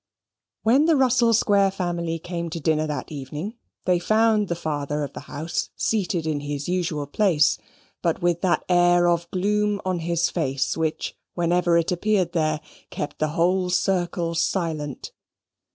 When the Russell Square family came to dinner that evening, they found the father of the house seated in his usual place, but with that air of gloom on his face, which, whenever it appeared there, kept the whole circle silent.